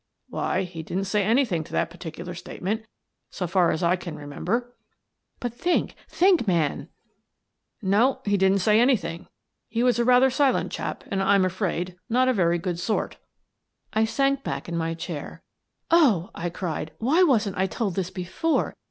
" Why, he didn't say anything to that particular statement — so far as I can remember." " But think — think, man! " "I Seem to Be Doomed" 249 " No, he didn't say anything. He was a rather silent chap and, I'm afraid, not a very good sort" I sank back in my chair. " Oh," I cried, " why wasn't I told this before?